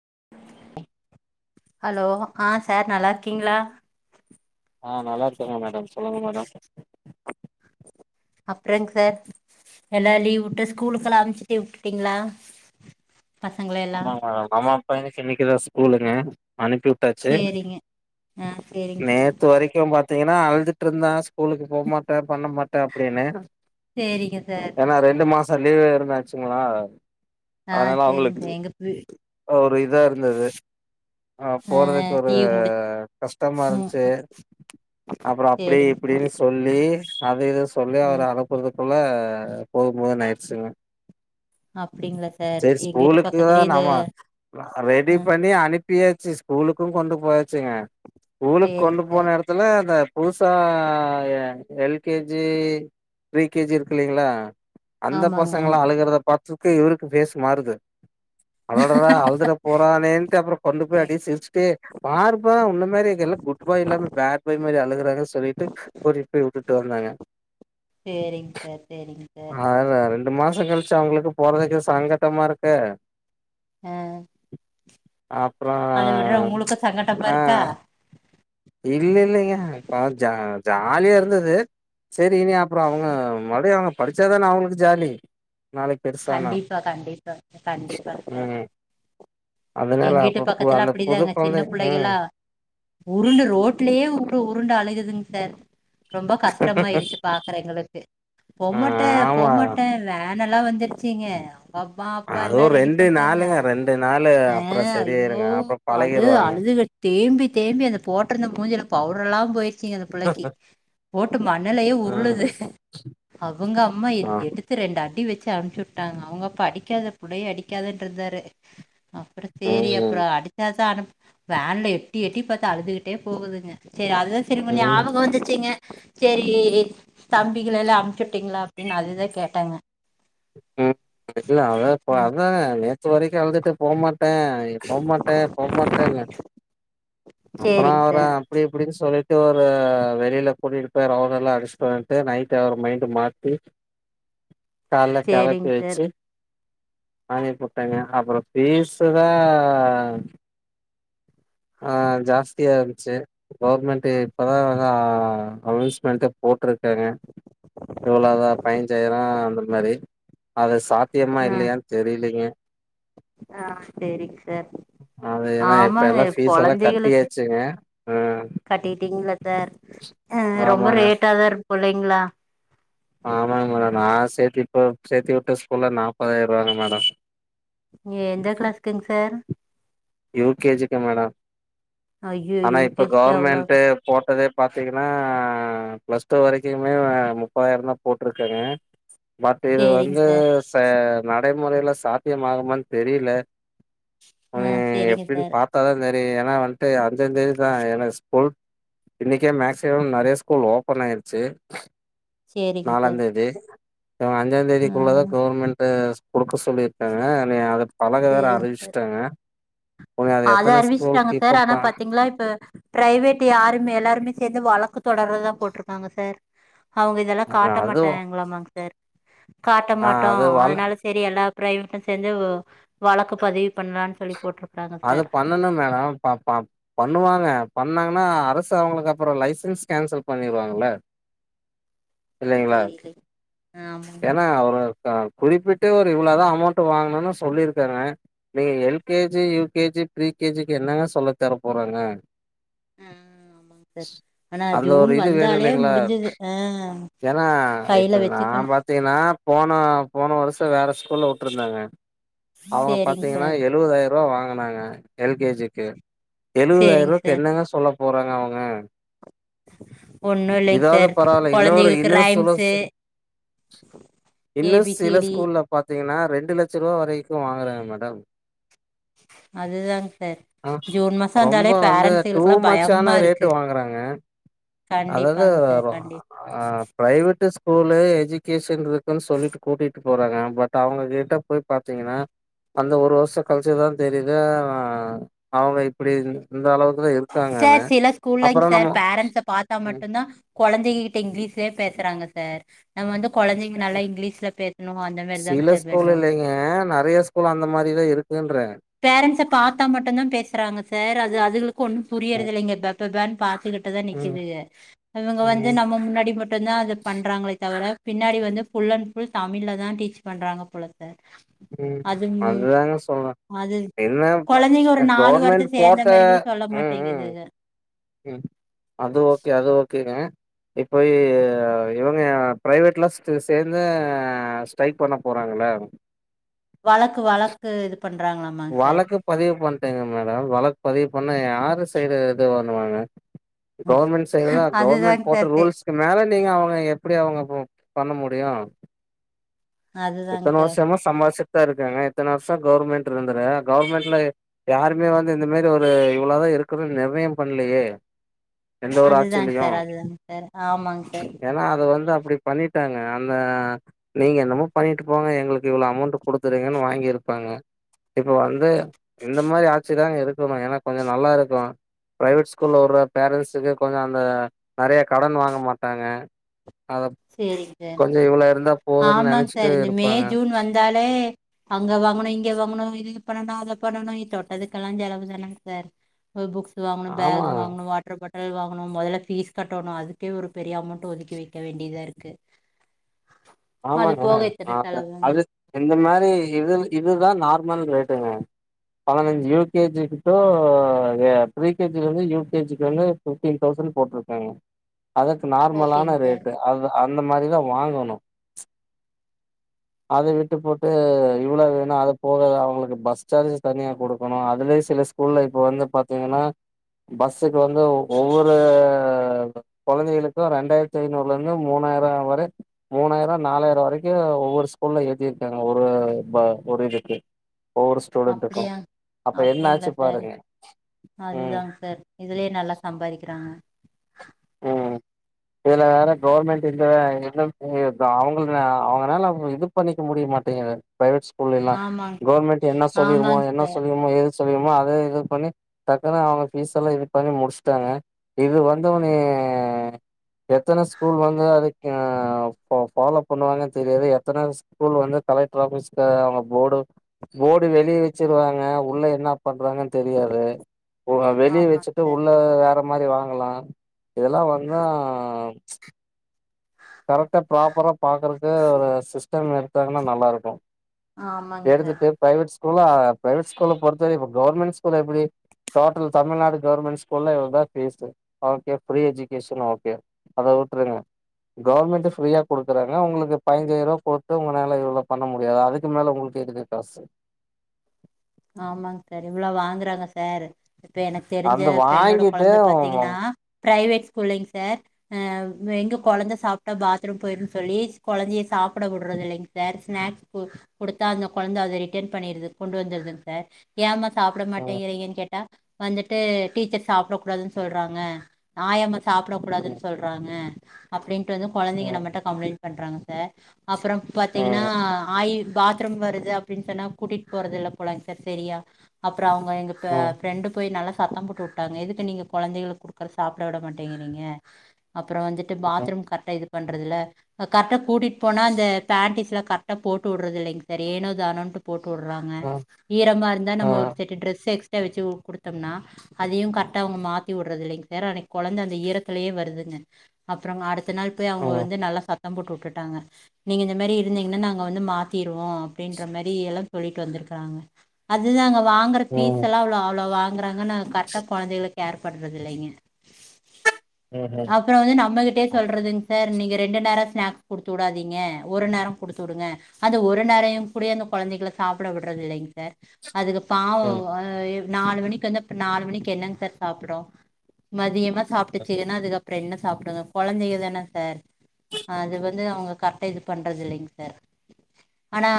[unintelligible] Hello ஆ sir நல்லாருக்கீங்களா ஆ நல்லா இருக்கேங்க மேடம் சொல்லுங்க மேடம் அப்றங் சார் எல்லா லீவ் உட்டு ஸ்கூலுக்கல்லா அம்ச்சிட்டி உட்டுட்டீங்களா ஆமாங் மேடம் நம்ம பையனுக்கு இன்னக்கிதா ஸ்கூலுங்க அனுப்பி உட்டாச்சி சேரிங்க ஆ சேரிங்க சார் நேத்து வரைக்கும் பாத்தீங்க னா அழுதுட்டுருந்தா ஸ்கூலுக்கு போமாட்ட பண்ண மாட்ட அப்டின்னு சேரிங்க சார் சரி லீவ் ல எதுனா ஆச்சுங்ளா ஆ செரிங் சார் எங்க வீ ஒரு இதா இருந்தது ஆ போறதுக்கு ஒரு லீவ் முடிச் கஷ்டமா ம் இருந்ச்சு அப்றம் அப்டி சேரிங்க சார் இப்டின்னு சொல்லி அது இத சொல்லி அவர ம் அனுப்புறதுக்குள்ள போதும்போதுன் ஆயிடுச்சுங்க அப்டிங்ளா சார் எங்க வீட்டு பக்கத் அ நம்ம ரெடி பண்ணி அனுப்பியாச்சு ஸ்கூலுக்கும் கொண்டு போயாச்சு ச்சுங்க ஊருக் சேரிங்க கொண்டு சார் போன எடத்துல அந்த புதுசாக L K G pre K G இருக்குல்லைங்களா அந்த ஆமாங்க பசங்களா அழுகுறத பாத்துக்கு இவுருக்கு ஃபேசு மாறுது அடடடா அழுதுற போறாநேன்ட்டு அப்புறம் கொண்டு போய் ம் அப்டியே சிரிச்சுட்டே பாருப்பா உன்ன மாரி எல்லா குட் பாய் இல்லாம பேட் பாய் மாரி அழுகுறாங்கனு சொல்லிட்டு கூட்டிட்டு போய் வுட்டுட்டு வந்தங்க சேரிங் சார் சேரிங் சார் அதுல ரெண்டு மாசங்கழிச்சு அவுங்களுக்கு போறதுக்கு சங்கட்டமா இருக்கு ஆ அப்புறோ அத விடுற உங்களுக்கூ சங்கடமா இருக்கா இல்லிலிங்க ப்பாவும் ஜா ஜாலியா இருந்துது செரி இனி அப்புறம் அவுங்க மறுபடியும் அவுங்க படிச்சாதான அவுங்களுக்கு ஜாலி நாளைக்கு பெருசானா கண்டிப்பா கண்டிப்பா கண்டிப்பா செரி ம் அதனால எங்க வீட்டு அப்ப பு பக்கத்துல அந்த புது அப்டிதாங்க சின்ன கொழந்தை ம் பிள்ளைகளா உருண்டு ரோட்லயே உ உருண்டு அழுகுதுங் சார் ரொம்ப கஷ்டமாயிருச்சி பாக்குற எங்களுக்கு ஆ போம்மாட்ட ஆமா போம்மாட்ட வே னல்லா வந்துருச்சிங்க அதுவு ரெண்டு நாளுங்க ரெண்டு நாளு அ அப்புறம் ஐயோ சரியாயிருங்க அப்புறம் அழு பழகிருவாங்க அழுதுகுட் தேம்பி தேம்பி அந்த போட்ருந்த மூஞ்சில பவுட்ருல்லாம் போயிருச்சிங்க அந்த புள்ளைக்கி போட்டு மண்ணலையே ம் உருளுது அவுங்க அம்மா எ ஆ எடுத்து ரெண்டு அடி வெச்சு தி அம்ச்சு வுட்டாங்க அவுங்க அப்பா அடிக்காத புள்ளய அடிக்காதன்றுந்தாரு அப்பறம் செரி ம் அப்புறம் அடிச்சாதா அடம்ப் வேன்ல எட்டி எட்டி பாத்து அழுதுகிட்டே போகுதுங்க செரி அதுதான் செரி உங்க ம் ஞாபகம் வந்துச்சுங்க செரி தம்பிகளைல்லா அம்ச்சுட்டீங்ளா அப்டின்னு அதுதா கேட்டங்க ம் இல்ல அதான் ப ம் அதான நேத்து வரைக்கு அழுதுட்டு போமாட் ட போமாட்ட போமாட்ட ல அப்பற சேரிங் அவர சார் அப்டி இப்டின் சொல்லிட் டு ஒரு வெளியில கூட்டிட்டு போய் ரவுண்டுல்லா அடிச்ட்டு வந்டு நைட்டு அவர் மைண்டு மாத்தி [inaudible] கால்ல கெளப்பி சேரிங் சார் வச்சி நானே போட்டங்க அப்பறம் பீஸு தா ஆ ஜாஸ்தியா இருந்ச்சு கவர்மெண்டு இப்பதா அனௌன்ஸ்மென்ட் போ போட்ருக்காங்க இவ்ளோதா பைன்ஜாயிரோ அந்த மாரி ஆகஸ்ட் சாத்தியமா ஆ இல்லையான் தெரிலீங்க ஆ செரி தெ அது ஏன்னா இப்ப ஆமாங்க எல்லா ஃபீஸ் எல்லா கொழந்தைகளுக் கட்டியாச்சுங்க ம் கட்டிட்டீங்கள சார் அ ரொம்ப ஆமாங்க ரேட்டாதா இருக்கும் புள்ளைங்ளா ஆமாங்க மேடம் நா சேத்தி இப்ப சேத்தி விட்ட ஸ்கூல்ல நாப்பதாயிர ரூவாங்க மேடம் ங்கய எந்த கிளாஸ்குங் சார் யூ கே ஜி க்குங்க மேடம் ஐயோ ஆனா இப்ப யூகேஜிக்கு அவ்ளோ கவர்மெண்டு போட்டதே பாத்தீங்கன்னா பிளஸ் டூ வரைக்குமே முப்பதாயிரந்தா போட்ருக்காங்க பட் இது சேரிங்க வந்து சார் ச நடைமுறையில சாத்தியமாகுமானு தெரியல அ ஆ சேரிங்க எப்புடின் சார் பாத்தாதா தெரியு ஏன்னா வந்துட்டு அஞ்சாந்தேதிதா எனக்கு ஸ்கூல் இன்னைக்கே மேக்சிமம் நெறைய ஸ்கூல் ஓபன் ஆயிருச்சு சேரிங்க நாலாந் சார் தேதி சோ அஞ்சாந் தேதிக்குள்ளதா ம் கவுர்மெண்டு குடுக்க சொல்லியிருக்காங்க இனி அது பலக வேற அறிவிஷ்ட்டாங்க [inaudible] அது அறிவிஷ்ட்டாங்க சார் கீப்பப் ப ஆனா பாத்தீங்ளா இப்ப ப்ரைவேட் யாருமே எல்லாருமே சேந்து வழக் க்கு தொடரர்தா போட்ருக்காங்க சார் அவங்க இதெல்லா காட்ட அதுவு மாட்டாங்களாமாங்க சார் காட்ட ஆ மாட்டோ அது வள அதனால செரி எல்லா ப்ரைவேட்டு சேந்து ஒ வழக்கு பதிவ் அது பண்ணணு மேடம் ப பல பண்ணுவாங்க பண்ணாங்கன்னா அரசு அவுங்களுக்கு அப்புறோ லைசென்ஸ் கேன்சல் பண்ணிடுவாங்கள இல்லைங்ளா தெரிலைங் ஆமாங்க ஏனா அவரு அ குறிப்பிட்டு ஒரு இவ்ளோ தா அமௌண்டு வாங்கணுனு சொல்லிருக்காங்க நீங்க L K G U K G pre K ஜிக்கு என்னங்க சொல்ல தர போறாங்க ம் ஆமாங் சார் ஆனா அந்த ஜூன் ஒரு இது வேணு வந்தாலே இல்லைங்களா முடிஞ்சது ஆ ஏன்னா கையில இப்ப நா வச்சுக்கணு பாத்தீங்னா அ போன போன வருஷ வேற ஸ்கூல்ல வுட்டுருந்தாங்க அவுங்க சேரிங்க பாத்தீங்கன்னா சார் எழுவதாயி ரூவா வாங்கனாங்க எல் கே ஜிக்கு சேரிங்க எழுவதாயிரூபாக்கு சார் என்னங்க சொல்ல போறாங்க அவுங்க ஒன்னும் இல்லைங்க இதாவ்து சார் பரவால்ல இன்னொரு கொழந்தைகளுக்கு இன்னு ரைம்ஸு சுலோச ஏ இன்னு பி சி சில டி ஸ்கூல்ல பாத்தீங் ஏனா ரெண்டு லட்ச ரூபா வரைக்கு வாங்குறங் மேடம் [inaudible] அதுதாங் சார் ஆ ஜூன் மாச ரொம்ப வந்தாலே வந்து டூ பேரன்ஸுகுளுக்குலா யமா இருக்கு அதாவ்து கண்டிப்பாங்க சார் அப்றோ கண்டிப் அ ப்ரைவேட்டு ஸ்கூல்ல எஜூ கேசன் ருக்குன் சொல்லிட்டு கூட்டிட்டு போறாங்க பட் அவுங்க கிட்ட போய் பாத்தீங்கன்னா அந்த ஒரு வருஷோ கழிச்சு தா தெரியிது ஆ அவுங்க இப்படி இந் இந்தளவு சார் சில ஸ்கூல்லங் சார் பேரன்ஸ பாத்தா ம் மட்டுந்தா கொழந்தைங்க கிட்ட இங்கிலீஷ்லே பே சுறாங்க சார் நம்ம வந்து கொழந்திங்க நல்லா இங்கிலீஸ்ல பேசணு அந்த மாரிதாங் சில சார் ஸ்கூல் விட்றோ இல்லைங்க நெறைய ஸ்கூல் அந்த மாரிதா இருக்குன்றே பேரண்ஸ பாத்தா மட்டுந்தா பேசுறாங்க சார் அது அதுகளுக் ஒண்ணு ம் புரியறதில்லைங்க பப்பப் பான் டு கிட்டுதா ம் நிக்குதுக இவங்க வந்து ம் நம்ம முன்னாடி மட்டுந்தா அத பண்றாங்களே தவிர பின்னாடி வந்து ஃபுல் அண் ஃபுல் தமிழ்ல தா டீச் பண்றாங்க போல சார் ம் அது ம், அதுதாங்க சொல்ற அது என்ன ப கொழந்திங்க ஒரு நாலு கவர்மெண்ட் வார்த்த சேந்த போட்ட மாதிரி கூடி சொல்ல ம் ம் மாட்டேங்குதுக அது ஓகே அது ஓகேங்க இப்போய் இவங்க ப்ரைவேட்லா ச சேந்து ஸ்ட்ரைக் பண்ண போ றாங்களா வழக்கு வழக்கு இது பண்றாங்களாமாங்க சார் வழக்கு பதிவு பண் ணுங்க மேடம் வழக் பதிவு பண்ணா யாரு சைடு இது பண்ணுவாங்க கவ்ர்மெண் சைடு தா கவ்ர்மெண் அதுதாங்க சார் போட்ட தே- ரூல்ஸ்க்கு மேல நீங்க அவுங்க எப்புடி அவுங்க ப பண்ண முடியு அதுதாங்க இத்தனை சார் வர்ஷமா சம்பார்ச்சித் தா இருக்காங்க எத்தன வர்ஷோ கவுர்மெண்ட்டுருந்தத கவுர்மெண்ட்ல யாருமே வந்து இந்த மாரி ஒரு இவ்வளதா இருக்கிற்த நிர்ணயம் பண்ணலையே எந்த ஒரு அதுதாங்க ஆட்சிலியு சார் அதுதாங்க சார் ஆமாங்க சார் ஏன்னா அது வந்து அப்படி பண்ணிட்டாங்க அந்த நீங்க என்னமோ பண்ணிட்டு போங்க எங்களுக்கு இவ்வளோ அமௌண்டு குடுத்துருங்கன்னு வாங்கியிருப்பாங்க இப்போ வந்து இந்த மாரி ஆச்சிதாங்க இருக்குனு ஏனா கொஞ்ச நல்லாருக்கு ப்ரைவேட் ஸ்கூல்ல உற்ற பேரன்ஸுக்கு கொஞ்ச அந்த நெறய கடன் வாங்க மாட்டாங்க அத சேரிங்க சார் கொஞ்ச இவள இருந்தா போதுன் ஆமாங்க நினைச் சார் இந்த மே ஜூன் வந்தாலே அங்க வாங்கணு இங்க வாங்கணு இது பண்ணனு அத பண்ணனு இ தொட்டதுக்கல்லா செலவு தானாங் சர் புக்ஸஸு வாங்கணு ஆமா, பேக் வாங்ணு வாட்ர பாட் அல் வாங்கணு மொதல்ல பீஸ் கட்டோணு அதுக்கே ஒரு பெரிய அமோண்ட்டு ஒதுக்கி வெக்க வேண்டிதா இருக்கு அது ஆமாங்க போக இத்தனை ந த செலவுங்க அது இந்த மரி இதுல் இதுதா நார் மல் ரேட்டுங்க பதனஞ்சு யூ கேஜி டூ ஏ ப்ரீ கேஜிலேந்து யூ கேஜிக் வந்து ஃபிப்டீன் தௌசண் ஃபில் போட்ருக்காங்க அதர்க்கு ஓகேங்க நார்மலான சார் ரேட்டு அத அந்த மாரிதா வாங்கணு [inaudible] அத விட்டு போட்டு இவ்ளோ வேணு அத போக அவுங்களுக்கு பஸ் சார்ஜஸ் தனியா குடுக்கணு அதுலயு சில ஸ்கூல்ல இப்ப வந்து பாத்தீங்கனா பஸ்ஸுக்கு வந்து ஒவ்வொரு கொழந்தைகளுக்கு ரெண்டாயர்த்தி ஐநூறுலேந்து மூணா ஆயர்வா வரே மூணாயிரொ நாலாயர வரக்கு ஒவ்வொரு ஸ்கூல்ல ஏத்திருக்காங்க ஒரு ப ஒரு இதுக்கு ஒவ்வொரு ஸ்டூடண்ட்டுக்கு அப்டிங்ளா சர் ம் அதுதாங் சர் இதுலே நல்லா சம்பாரிக்கிறாங்க உம் இதல வேற கவுர்மெண்ட்டு இந்த வே இந்த இதா அவுங்குள்தே அவுங்கனால அவுங்ள இது பண்ணிக்க முடிய மாட்டேங்குது பிரைவேட் ஸ்கூல்லி எல்லா ஆமாங்க கோர்மெண்ட் என்ன சொல்லிருமோ ஆமாங்க என்ன சார் சொல்லிருமோ ஏது சொல்லிருமோ அதே இது பண்ணி டக்குனு அவங்க பீஸ்சல்லா இது பண்ணி முடுஷ்ட்டாங்க இது வந்த ஒன் னி எத்தன ஸ்கூல் வந்து அதுக்கே ஃபா ஃபாலோ பண்ணுவாங்க தெரியாது எத்தன ஸ்கூல் வ அந்து கலைட்ராபீஸ் க அவுங்க போடு போடு வெளிய வெச்சிருவாங்க உள்ள என்னா பண்றாங்கன் தெரியாது உ அ வெளிய ஆமாங்க வெச்சிட்டு சார் உள்ள வேற மாரி வாங்கலா இதலா வந்தா கரட்டா ப்ராப்பரா பாக்கறக்கு ஒரு சிஸ்டம் எடுத்தாங்னா நல்லாருக்கு ஆமாங்சர் கூலா ப்ரைவேட் ஸ்கூல பொறுத்தவரி இப்ப கவுர்மெண் ஸ்கூல் எப்புடி டோட்டல் தமிழ்நாடு கவர்மெண் ஸ்கூல்ல இவள்தா fees okay free education okay அத ஊட்ருங்க கவுர்மெண்ட்டு ஃப்ரீயா குடுக்குறாங்க உங்ளுக்கு பயின்ஞ்சாயிர்வா போத்து உங்கனால இவ்ளோ பண்ண முடியாது அதுக்கு மேல உங்குளுக்கு எதுக்கு காசு ஆமாங் சர் இவ்ளோ வாங்குறாங்க சர் இப்ப எனக் தெரிஞ்ச அந்த ஃப்ரெண்டோட வாங்கிட்டு கொழந்த பாத்தீங்கனா ம் பிரைவேட் ஸ்கூல்லிங் சர் அ எங்க கொழந்த சாப்ட்டா பாத்ரூம் போயிருன் சொல்லிஸ் கொழந்திய சாப் ஆப்புட உட்றதுல்லைங் சர் ஸ்நேக்ஸ் கு குடுத்தா அந்த கொழந்த அத ரிட்டன் பண்ணிடுது கொண்டு வந்துர்துங் ச ஏம்மா சாப்புட ம் மாட்டேங்கிறீங்க கேட்டா வந்துட்டு டீச்சர் சாப்ட குடாதுன் சொல்றாங்க ஆயம்மா சாப்ட குடாதுன் சொல்றாங்க அப்டின்ட்டு வந்து கொழந்தைங்க ம் நம்மட்ட கம்ளைண் பண்றாங்க சர் அப்றம் பாத்திங்னா ம் ஆயி பாத்ரூம் வருது அப்டின் சொன்னா கூட்டிட் போறத் இல்ல பொலை சர் செரியா அப்ற அவங்க எங்க ப ம் ஃப்ரெண்டு போய் நல்லா சத்த போட்டு உட்டாங்க எதுக்கு நீங்க கொழந்தைகளுக் குடுக்ற சாப்ட விட மாட்டேங்கிறிங்க அப்ற வந்துட்டு ம் பாத்ரூம் கர்ட்டா இது பண்றதுல கர்ட்டா கூட்டிட் போனா அந்த பேண்டீஸ்ல கர்ட்டா போட்டு உட்றதில்லைங் சர் ஏனோ தானோன்டு போட் போற்றாங்க ம் ஈரமா இருந்தா நம்ம ஒரு ம் செட்டு ட்ரெஸ் சேக்ஸ்ட வெச்சி உ குடுத்தம்னா அதியு கர்ட்டா அவுங்க மாத்தி உட்றதில்லைங் சர் அன்னக்கி கொழந்த அந்த ஈரத்துலே வ வர்துங்க அப்றங்கு அடுத்த நாள் பே அவுங்க ம் வந்து நல்லா சத் தம் போட்டு வுட்டுட்டாங்க நீங்க இந்த மேரி இருந்தீங்னா நாங்க வந்து மாத்திருவோ அப்டின்ற மேரி எல்லா சொல்லிட்டு வந்திருக் காங்க அதுதாங்க வாங்கற ம் ஃபீஸ் ம் அல்லா அவ்ளோ அவ்ளோ வா ங்கறாங்க கர்ட்டா கொழந்தைகள கேர் பண்றதில்லைங்க ம் அப்ற வந்து நம்மகிட்டியே சொல்றதுங் சார் நீங்க ரெண்டு நேர ஸ்நாக்ஸ் குடுத்து வுடாதீங்க ஒரு நேர குடுத்தூடுங்க அந்த ஒரு நேரையுங் கூடியேந் கொழந்தைகள சாப்ட விட்றது இல்லைங் சார் அதுக பாவ ம் அ எ நாலு மணிக்கு வந்து அப்ற நாலு மணிக்கு என்னங் சார் சாப்டு மதியமா சாப்ட்டுச்சுகன்னா அதுக்கப்புறோ என்ன சாப்டுங்க கொழந்தைக தான சார் அது வந் து அவங்க கரெக்டா இது பண்றதில்லைங்க சார் ஆனா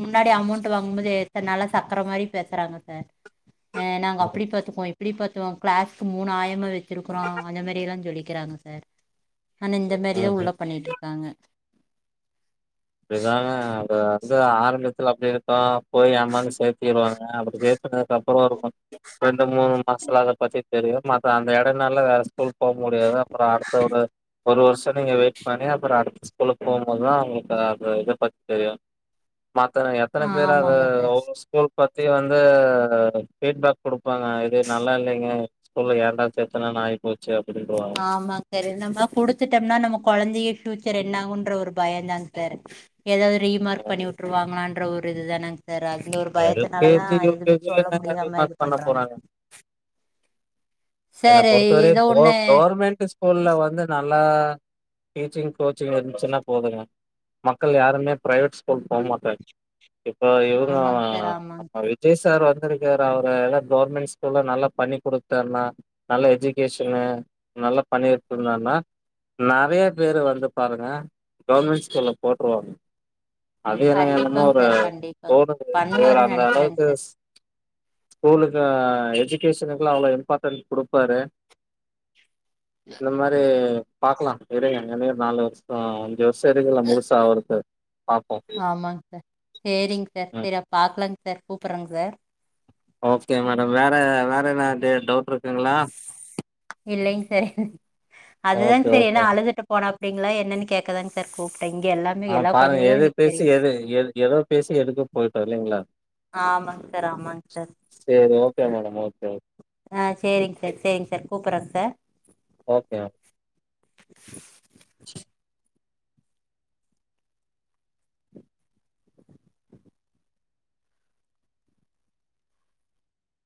முன்னாடி அமௌண்ட் மட்டு வாங்கும்போது எத்தன நாளா சக்கர மாரி பேசுறாங்க சார் அ நாங்க ம் அப்டி பாத்துப்போ இப் டி பத்தும் கிளாஸ்க்கு மூணு ஆயமா வச்சிருக்கறோ அந்த மாரிலா சொல்லிக்கிறாங்க சார் ஆனா இந்த மாரிதா ம் ம் உள்ள பண்ணிட்ருக்காங்க அப்டிதாங்க அ வந்து ஆரம்பத்துல அப்டி இருக்கு போய் ஏமாந்து சேத்திடுவாங்க அப்பறோ சேத்தனதுக்கப்பறோ அப்புற ஒரு ரெண்டு மூணு மாசத்துல அத பத்தி தெரியு மற்ற அந்த எட நாள்ல வேற ஸூகூல் போ முடியாது அப்றோ அடுத்த ஒரு ஒரு வருஷ நீங்க வெயிட் பண்ணி அப்ரோ அடுத்த ஸ்கூலுக்கு போ போதா அவுங்களுக்கு அது இத பத்தி தெரியு மத்த எத்தன ஆ பேரு அ ஆமாங்க சார் ஸ்கூல் பத்தி வந்து ஃபீட்பேக் குடுப்பாங்க இது நல்லா இல்லைங்க ஸ்கூல்ல ஏன்டா சேத்தனோனு ஆயி போச் ஆமாங் சார் நம்ம குடுத்துட்டம்னா நம்ம கொழந்தைய ஃபியூச்சர் என்னாகுன்ற ஒரு பய தாங் சார் ஏதாவது ரீமார்க் பண்ணி உட்ருவாங்களா ன்ற ஒரு இது தானங் சார் அந்த ஒரு பயத்துனாலதா எல்கேஜி, எதுமே யுகேஜில சொல்ல என்னங்க முடியாம இது ரீமார்க் பண்ண பண்றாங்க போறாங்க? என்ன சார் பொறுத்தவரையு ஏதோ கொ ஒண்ணு கவர்மெண்ட் ஸ்கூல்ல வந்து நல்லா டீச்சிங் கோச்சிங் இருந்துச்சின்னா போதுங்க மக்கள் யாருமே பிரைவேட் ஸ்கூல் போ மாட்டாங்க இப்ப இவங்க ஆமாங்க சார் ஆமாங்க சார் நம்ம விஜய் சார் வந் துருக்காரு அவரு எல்லா கவர்மெண்ட் ஸ்கூல்ல நல்லா பண்ணி குடுத்தாருன்னா நல்ல எஜுகேஷன்னு நல்லா பண்ணி விட்ருந்தாருன்னா நறைய பேரு வந்து பாருங்க கவர்மெண்ட் ஸ்கூல்ல போட்ருவாங்க அது என்னங்க என்னமோ கண்டிப்பாங் ஒரு சார் கண்டிப்பாங் தோணுது இவர் பண்ணுவாருன் அந்த நெனைக்கிறேங் அளவுக்கு சார் ஸ்கூலுக்கு அ எஜிக் கேஷனுக்குலா அவ்ளோ இம்பார்ட்டன்ட் குடுப்பாரு இந்த மாரி பாக்கலா இருங்க இன்னொயொரு நாலு வருசோ அஞ்சு வருஷ இருக்குல்ல முழுசா அவருக்கு பாப்போ சரிங் சார் ம் சரி அப் பாக்லாங் சார் கூப்றங் சார் ஓகே மேடம் வேற வேற என்ன டவுட் இருக்குங்களா இல்லைங் சார் அதுதாங் ஓகே சார் ஏனா ஓகே அழுதுட்டு போனாப்படிங்களா என்னன்னு கேக்கதாங் சார் கூப் ஆ பாருங்க எது பேசி எது எ எதோ பேசி எதுக்கோ போயிட்டோ இல்லைங்களா ஆமாங் சார் ஆமாங் சார் சேரி ஓகே மேடம் ஓகே ஆ சேரிங் சார் சேரிங் சார் கூப்ற சார் ஓகே